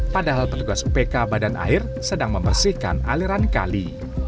padahal petugas upk badan air sedang membersihkan aliran kali